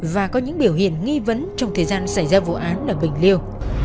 và có những biểu hiện nghi vấn trong thời gian xảy ra vụ án ở bình liêu